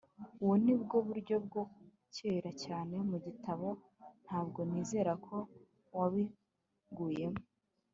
ubwo ni bwo buryo bwa kera cyane mu gitabo. ntabwo nizera ko wabiguyemo